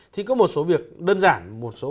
thì có một số việc đơn giản một số